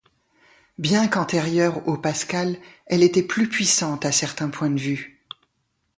Bien qu'antérieure au Pascal, elle était plus puissante à certains points de vue.